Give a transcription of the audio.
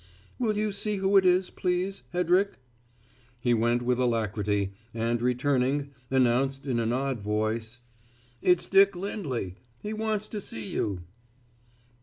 "Will you see who it is, please, Hedrick?" He went with alacrity, and, returning, announced in an odd voice. "It's Dick Lindley. He wants to see you."